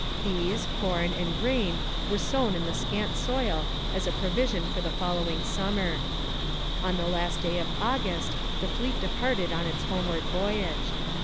Pease, corn, and grain were sown in the scant soil as a provision for the following summer. On the last day of August, the fleet departed on its homeward voyage.